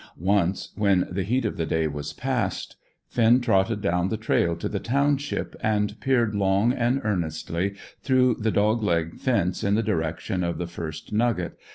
Once, when the heat of the day was past, Finn trotted down the trail to the township, and peered long and earnestly through the dog leg fence in the direction of the "First Nugget."